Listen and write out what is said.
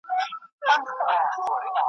ټول انسانان مساوی حقوق لری.